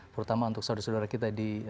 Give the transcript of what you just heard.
terutama untuk saudara saudara kita di